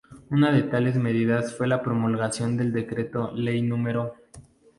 Una de tales medidas fue la promulgación del Decreto Ley No.